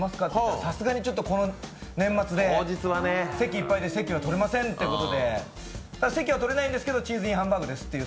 さすがにちょっとこの年末で席いっぱいで席は取れませんということで、席はとれないんですけどチーズインハンバーグですという。